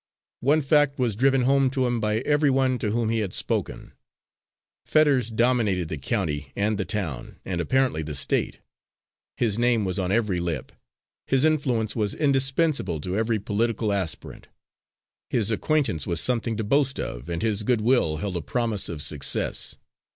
One fact was driven home to him by every one to whom he had spoken. Fetters dominated the county and the town, and apparently the State. His name was on every lip. His influence was indispensable to every political aspirant. His acquaintance was something to boast of, and his good will held a promise of success.